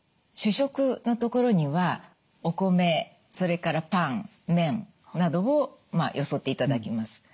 主食のところにはお米それからパン麺などをまあよそっていただきます。